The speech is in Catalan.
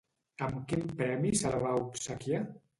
Amb quin premi se la va obsequiar?